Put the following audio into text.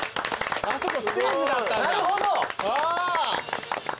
あそこステージだったんだ。